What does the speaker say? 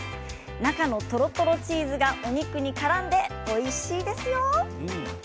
中のとろとろチーズがお肉にからんでおいしいですよ。